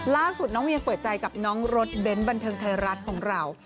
ล่าสุดน้องเวียงเปิดใจกับน้องรถเบ้นบันเทิงไทยรัฐของเรา